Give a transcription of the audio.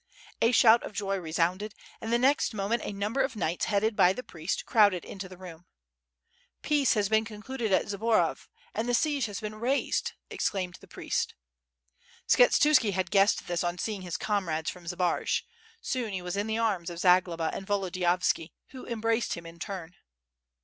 A shout of joy resounded, and the next moment a number of knights headed by the priest, crowded into the room. "Peace has been concluded at Zborov, and the siege has been raised," exclaimed the priest. Skshetuski had guessed this on seeing his comrades from Zbaraj; soon he was in the arms of Zagloba, and Volodiyovski, who embraced him in turn.